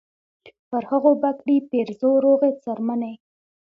پر هغو به کړي پیرزو روغې څرمنې